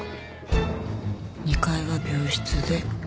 ２階は病室で。